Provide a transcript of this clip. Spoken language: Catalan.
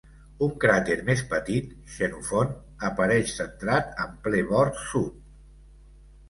Un cràter més petit, Xenofont, apareix centrat en ple bord sud.